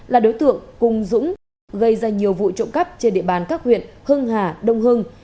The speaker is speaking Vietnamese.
là đối tượng cùng dũng gây ra nhiều vụ trộm cắp trên địa bàn các huyện hưng hà đông hưng